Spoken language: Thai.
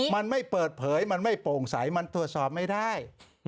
มันไม่เปิดเผยมันไม่โปร่งใสมันตรวจสอบไม่ได้